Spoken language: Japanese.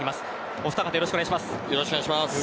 お二方、よろしくお願いします。